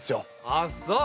あっそう